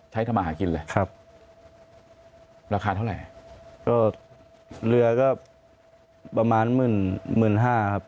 ทำมาหากินเลยครับราคาเท่าไหร่ก็เรือก็ประมาณหมื่นหมื่นห้าครับ